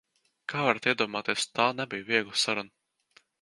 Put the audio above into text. Kā varat iedomāties, tā nebija viegla saruna.